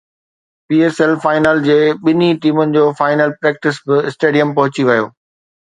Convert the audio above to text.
P S L final جي ٻنهي ٽيمن جو فائنل پريڪٽس به اسٽيڊيم پهچي ويو